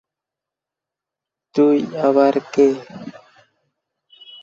তিনি নওয়াজ শরীফের সাথে একটি ভাল বন্ধুত্ব বজায় রেখেছিলেন এবং শরীফ পরিবারের ঘনিষ্ঠ রক্ষণশীল।